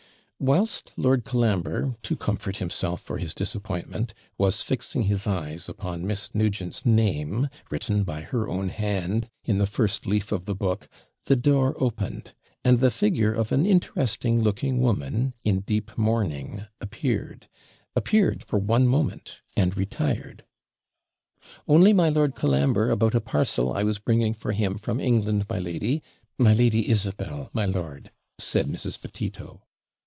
Whilst Lord Colambre, to comfort himself for his disappointment, was fixing his eyes upon Miss Nugent's name, written by her own hand, in the first leaf of the book, the door opened, and the figure of an interesting looking woman, in deep mourning, appeared appeared for one moment, and retired. 'Only my Lord Colambre, about a parcel I was bringing for him from England, my lady my Lady Isabel, my lord,' said Mrs. Petito.